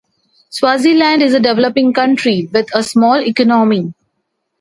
Swaziland is a developing country with a small economy.